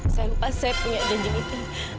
saya lupa saya punya janji itu